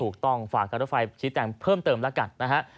ถูกต้องฝากกาลไลฟ์ชี้แต่งเพิ่มเติมละกัน